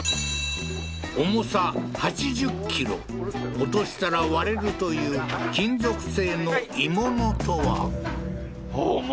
重さ８０ｋｇ落としたら割れるという金属製の鋳物とは？